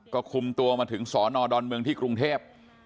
ก็คุมตัวมาถึงสอนอดอนเมืองที่กรุงเทพ